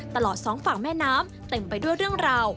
ตลอดสองฝั่งแม่น้ำเต็มไปด้วยเรื่องราว